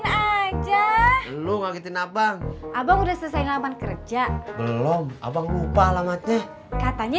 abang aja lu ngagetin abang abang udah selesai ngeleman kerja belum abang lupa alamatnya katanya